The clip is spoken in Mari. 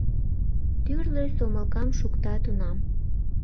Тӱрлӧ сомылкам шукта тунам».